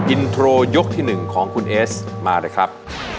อินโทรยกที่๑ของคุณเอสมาเลยครับ